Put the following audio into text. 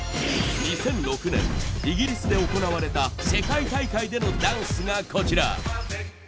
２００６年イギリスで行われた世界大会でのダンスがこちら。